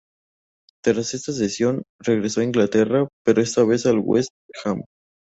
Tras esa cesión, regresó a Inglaterra, pero a esta vez al West Ham.